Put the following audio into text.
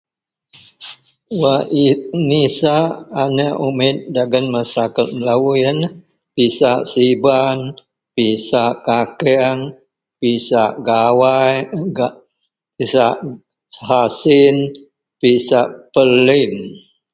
Wak nisak aniek umek lubeng masa telo yian pisak siban, pisak kakeng, pisak gawai, pisak asin, pisak pelim.